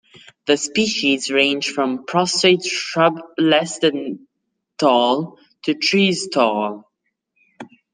The species range from prostrate shrubs less than tall to trees tall.